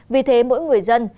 vì thế mỗi người dân